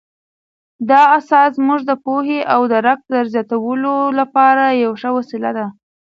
دا اثر زموږ د پوهې او درک د زیاتولو لپاره یوه ښه وسیله ده.